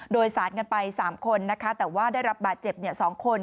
โดยสารกันไป๓คนนะคะแต่ว่าได้รับบาดเจ็บ๒คน